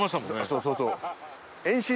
そうそうそう。